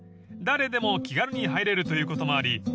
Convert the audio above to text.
［誰でも気軽に入れるということもあり